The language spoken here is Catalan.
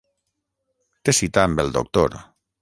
Té cita amb el doctor.